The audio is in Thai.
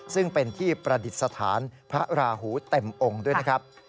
ซึ่งเป็นที่ประดิษฐานพระราหูเต็มองค์ด้วยนะครับ